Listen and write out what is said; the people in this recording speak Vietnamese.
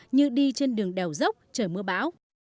như đi trên đường đèo dốc trời mưa bão